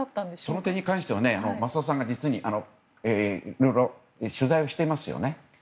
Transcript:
その点に関しては増田さんが実にいろいろ取材をしていますよね。